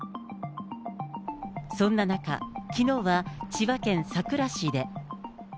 そんな中、きのうは千葉県佐倉市で。